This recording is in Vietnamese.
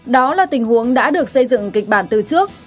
đó là tình huống đã được xây dựng kịch bản từ trước